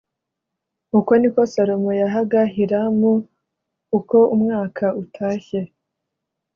Uko ni ko Salomo yahaga Hiramu uko umwaka utashye